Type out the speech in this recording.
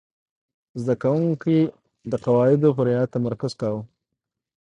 زده کوونکي د قواعدو په رعایت تمرکز کاوه.